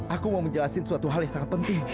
aku mau menjelaskan suatu hal yang sangat penting